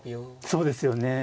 そうですよね。